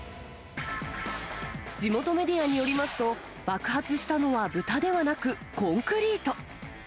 地元メディアによりますと、爆発したのは豚ではなくコンクリート。